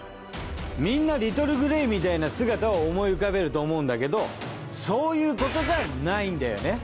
みんなリトルグレイみたいな姿を思い浮かべると思うんだけどそういうことじゃないんだよね。